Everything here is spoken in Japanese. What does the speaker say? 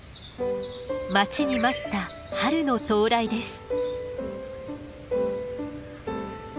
待ちに待った春の到来です。